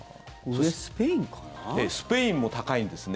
スペインも高いんですね。